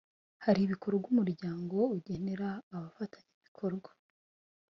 Hari ibikorwa umuryango ugenera abafatanya bikorwa